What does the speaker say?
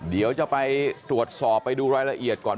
เดี๋ยวจะไปตรวจสอบไปดูรายละเอียดก่อน